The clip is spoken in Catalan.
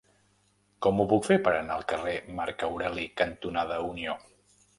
Com ho puc fer per anar al carrer Marc Aureli cantonada Unió?